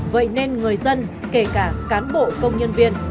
vậy nên người dân kể cả cán bộ công nhân viên